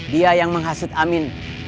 dia yang menghasut amin